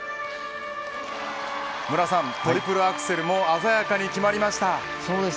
無良さん、トリプルアクセルも鮮やかに決まりました。